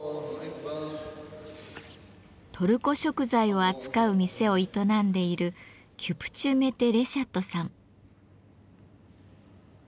トルコ食材を扱う店を営んでいるキュプチュ・メテ・レシャットさん。